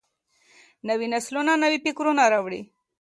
نوي نسلونه نوي فکرونه راوړي.